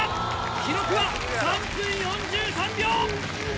記録は３分４３秒。